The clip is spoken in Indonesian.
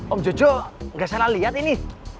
om jojo gak salah liat ini